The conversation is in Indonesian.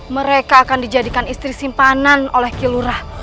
mereka akan dijadikan istri simpanan oleh kilurah